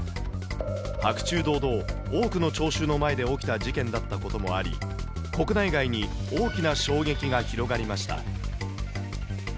白昼堂々、多くの聴衆の前で起きた事件だったこともあり、国内外に大きな衝撃が広がりました。